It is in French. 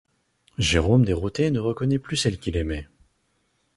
Jérôme dérouté ne reconnaît plus celle qu’il aimait.